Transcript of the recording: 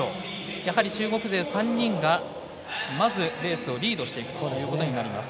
やはり中国勢３人がまずレースをリードしていくということになります。